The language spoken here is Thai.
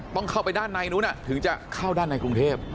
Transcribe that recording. ต้องเข้าไปด้านในนู้นถึงจะเข้าด้านในกรุงเทพ